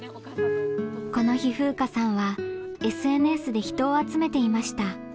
この日風夏さんはＳＮＳで人を集めていました。